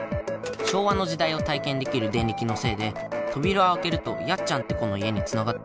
昭和の時代を体験できるデンリキのせいで扉を開けるとやっちゃんって子の家につながった。